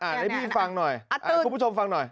ให้พี่ฟังหน่อยคุณผู้ชมฟังหน่อย